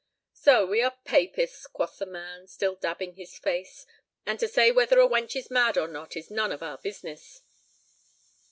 "So we are papists," quoth the man, still dabbing his face, "and to say whether a wench is mad or not is none of our business."